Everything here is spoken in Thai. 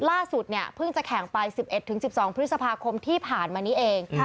ล่าสุดเนี่ยเพิ่งจะแข่งไป๑๑๑๑๒พฤษภาคมที่ผ่านมานี้เอง